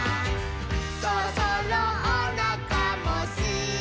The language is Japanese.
「そろそろおなかもすくでしょ」